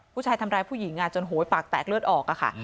ผู้ชายทำร้ายผู้หญิงจนโหยปากแตกเลือดออกค่ะ